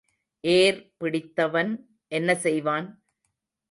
ஏர் பிடித்தவன் என்ன செய்வான்?